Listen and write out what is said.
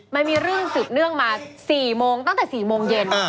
มันมีเรื่องสืบเนื่องมา๔โมงตั้งแต่๔โมงเย็น